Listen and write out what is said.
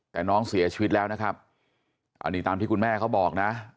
แต่น้องเสียชีวิตแล้วนะครับอันนี้ตามที่คุณแม่เขาบอกนะ